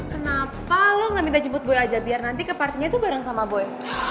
kenapa lo ga minta jemput boy aja biar nanti ke partinya tuh bareng sama boy